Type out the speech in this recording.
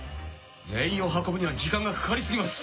全員を運ぶには時間がかかり過ぎます。